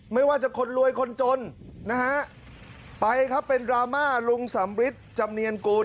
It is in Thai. เพราะว่าจะคนรวยคนจน